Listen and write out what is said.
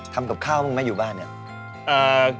ทำกับข้าวผมไม่อยู่บ้านแล้ว